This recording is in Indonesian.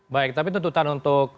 baik tapi tuntutan untuk